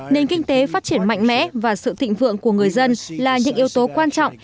nền kinh tế phát triển mạnh mẽ và sự thịnh vượng của người dân là những yếu tố quan trọng